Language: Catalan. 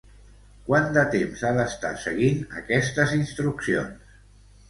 Quant de temps ha d'estar seguint aquestes instruccions?